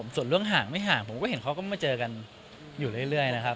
ส่วนเรื่องห่างไม่ห่างผมก็เห็นเขาก็มาเจอกันอยู่เรื่อยนะครับ